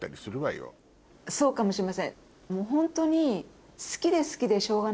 そうかもしれません。